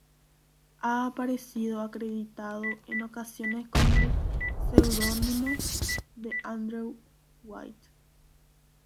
Ha aparecido acreditado en ocasiones con el pseudónimo de Andrew White.